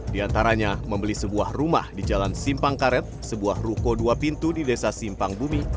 di antaranya membeli sebuah rumah di jalan simpang karet sebuah ruko dua pintu di desa simpang bumi